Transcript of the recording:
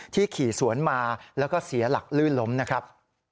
ขี่สวนมาแล้วก็เสียหลักลื่นล้มนะครับ